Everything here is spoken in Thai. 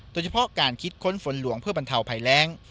โดยเฉพาะการคิดค้นฝนหลวงเพื่อบรรเทาภัยแรง